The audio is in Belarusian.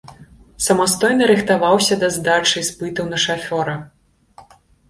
Самастойна рыхтаваўся да здачы іспытаў на шафёра.